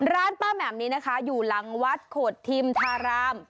ร้านป้าแหม่มนี้นะคะอยู่หลังวัดโขดทิมธาราม